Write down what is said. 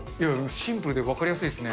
シンプルで分かりやすいですね。